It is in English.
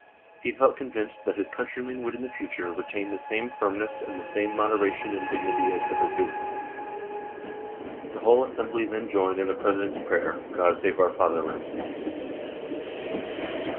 He felt convinced that his countrymen would in the future retain the same firm ness and the same moderation and dignity as hitherto. The whole Assembly then joined in the President's prayer, " God save our Fatherland."